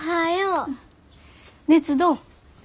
熱どう？